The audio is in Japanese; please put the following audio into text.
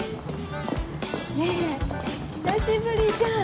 ねえ久しぶりじゃん！